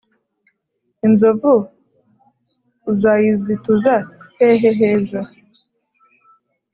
inzovu uzayizituza hehe heza?